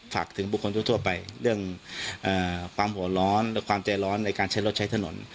ฝากถึงบุคคลทั่วไปเรื่องความหัวร้อนและความใจร้อนในการใช้รถใช้ถนน